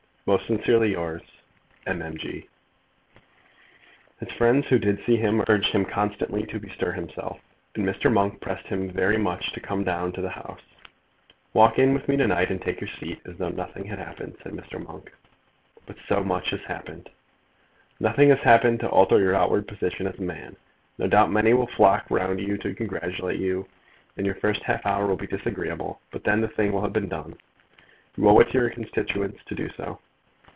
Most sincerely yours, M. M. G. His friends who did see him urged him constantly to bestir himself, and Mr. Monk pressed him very much to come down to the House. "Walk in with me to night, and take your seat as though nothing had happened," said Mr. Monk. "But so much has happened." "Nothing has happened to alter your outward position as a man. No doubt many will flock round you to congratulate you, and your first half hour will be disagreeable; but then the thing will have been done. You owe it to your constituents to do so."